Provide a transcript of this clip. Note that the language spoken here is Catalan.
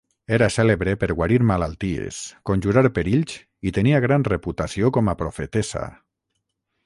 Era cèlebre per guarir malalties, conjurar perills, i tenia gran reputació com a profetessa.